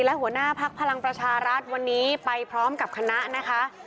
และหัวหน้าพักพลังประชารัฐวันนี้ไปพร้อมกับคณะนะคะ